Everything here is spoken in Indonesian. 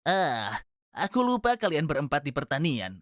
ah aku lupa kalian berempat di pertanian